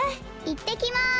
いってきます！